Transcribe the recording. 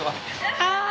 ああ！